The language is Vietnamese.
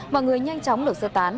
mọi người nhanh chóng được sơ tán